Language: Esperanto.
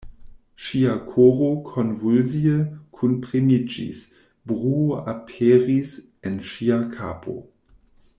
Ŝia koro konvulsie kunpremiĝis, bruo aperis en ŝia kapo.